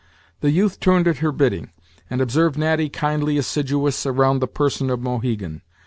The youth turned at her bidding, and observed Natty kindly assiduous around the person of Mohegan.